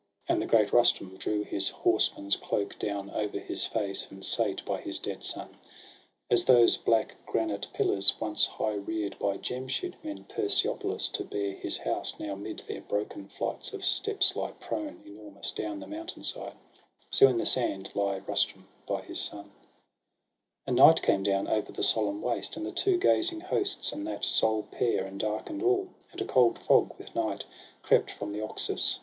And the great Rustum drew his horseman's cloak Down o'er his face, and sate by his dead son. As those black granite pillars, once high rear'd By Jemshid in Persepolis, to bear His house, now mid their broken flights of steps Lie prone, enormous, down the mountain side — So in the sand lay Rustum by his son. SOHRAB AND RUSTUM. 121 And night came down over the solemn waste, And the two gazing hosts, and that sole pair, And darken'd all; and a cold fog, with night, Crept from the Oxus.